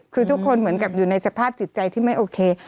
คือทุกคนเหมือนกับอยู่ในสภาพจิตใจที่ไม่โอเค